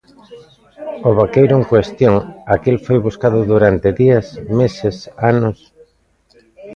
O vaqueiro en cuestión, aquel, foi buscado durante días, meses, anos.